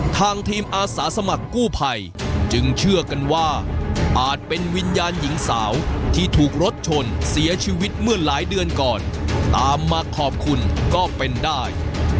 ทางทีมอาสาสมัครกู้ภัยจึงเชื่อกันว่าอาจเป็นวิญญาณหญิงสาวที่ถูกรถชนเสียชีวิตเมื่อหลายเดือนก่อนตามมาขอบคุณก็เป็นได้